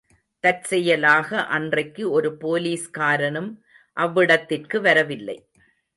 தற்செயலாக அன்றைக்கு ஒரு போலிஸ்காரனும் அவ்விடத்திற்கு வரவில்லை.